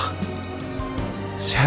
lindungi mereka ya allah